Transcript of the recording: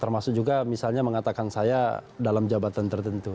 termasuk juga misalnya mengatakan saya dalam jabatan tertentu